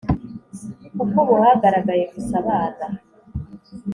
kuko ubu hagaragaye gusa abana